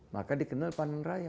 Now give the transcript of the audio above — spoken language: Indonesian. maka dikenal panen raya